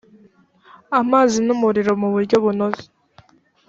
amazi n umuriro mu buryo bunoze